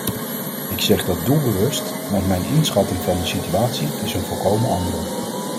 Ik zeg dat doelbewust, want mijn inschatting van de situatie is een volkomen andere.